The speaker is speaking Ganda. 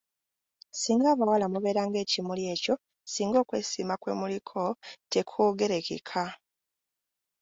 Ssinga abawala mubeera ng'ekimuli ekyo ssinga okwesiima kwe muliko tekwogerekeka.